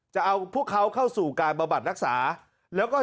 จะเอาพวกเขาเข้าสู่การประบาดนักศึกรักษา